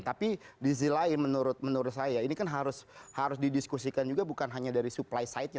tapi di sisi lain menurut saya ini kan harus didiskusikan juga bukan hanya dari supply side nya